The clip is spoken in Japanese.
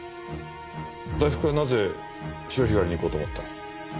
大福はなぜ潮干狩りに行こうと思った？